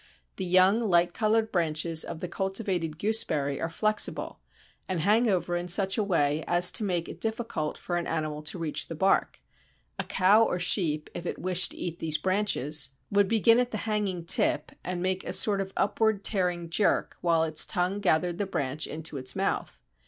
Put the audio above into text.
The young light coloured branches of the cultivated Gooseberry are flexible, and hang over in such a way as to make it difficult for an animal to reach the bark: a cow or sheep, if it wished to eat these branches, would begin at the hanging tip and make a sort of upward tearing jerk while its tongue gathered the branch into its mouth.